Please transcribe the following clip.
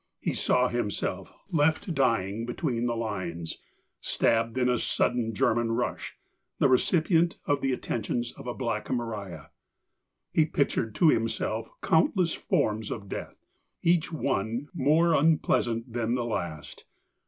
He saw himself left dying between the lines, stabbed in a sudden German rush, the re cipient of the attentions of a Black Maria. He pictured to himself countless forms of death, each one more unpleasant than the last.